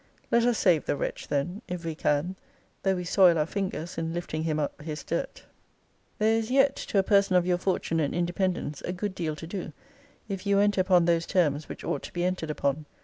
Let us save the wretch then, if we can, though we soil our fingers in lifting him up his dirt. There is yet, to a person of your fortune and independence, a good deal to do, if you enter upon those terms which ought to be entered upon.